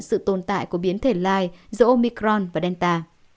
sự tồn tại của biến thể lai giữa omicron và delta